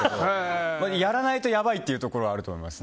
やらないとやばいっていうところはあると思います。